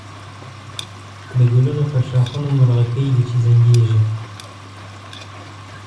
د گلونو پر ښاخونو مرغکۍ دی چی زنگېږی